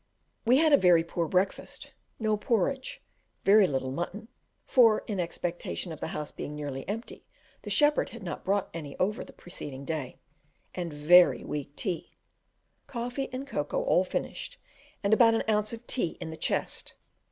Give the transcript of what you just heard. We had a very poor breakfast, no porridge, very little mutton (for in expectation of the house being nearly empty, the shepherd had not brought any over the preceding day), and very weak tea; coffee and cocoa all finished, and about an ounce of tea in the chest.